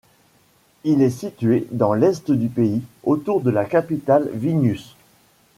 Il est situé dans l'Est du pays, autour de la capitale Vilnius.